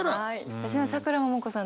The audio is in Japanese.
私さくらももこさん